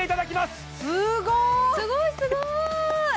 すごいすごーい！